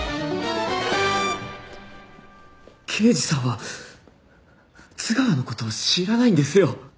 刑事さんは津川の事を知らないんですよ。